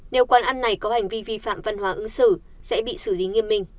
nếu quán ăn này có hành vi vi phạm văn hóa ứng xử sẽ bị xử lý nghiêm minh